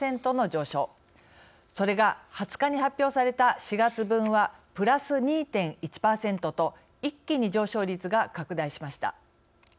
それが２０日に発表された４月分はプラス２．１％と一気に上昇率が拡大しました。